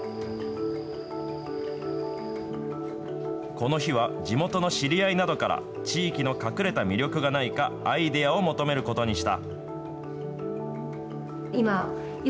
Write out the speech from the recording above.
この日は、地元の知り合いなどから、地域の隠れた魅力がないか、アイデアを求めることにした。